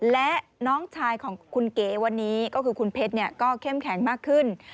และน้องชายของคุณเก๋วันนี้ก็คือคุณเพชรก็เข้มแข็งมากขึ้น